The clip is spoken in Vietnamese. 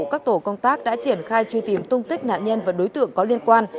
các tổ công tác đã triển khai truy tìm tung tích nạn nhân và đối tượng có liên quan